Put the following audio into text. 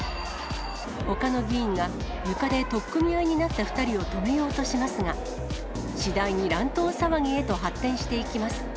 ほかの議員が、床で取っ組み合いになった２人を止めようとしますが、次第に乱闘騒ぎへと発展していきます。